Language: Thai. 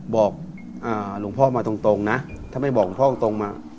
บอกหลวงพ่อมาตรงนะถ้าไม่บอกหลวงพ่อตรงมา